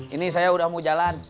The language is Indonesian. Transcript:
ini saya udah mau jalan